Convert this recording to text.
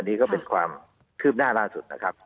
อันนี้ก็คือสิ่งที่เคลียดหน้าร่าสุดนะครับ